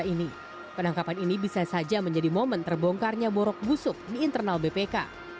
dan juga penangkapan ini bisa saja menjadi momen terbongkarnya borok busuk di internal bpk